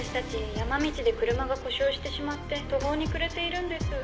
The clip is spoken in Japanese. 山道で車が故障してしまって途方に暮れているんです。